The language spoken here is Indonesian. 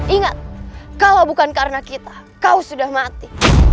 ingat kalau bukan karena kita kau sudah mati